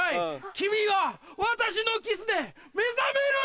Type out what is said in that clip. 君が私のキスで目覚める！